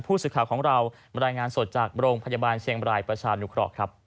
ผู้สื่อข่าวของเราบรรยายงานสดจากโรงพยาบาลเชียงบรายประชานุเคราะห์ครับ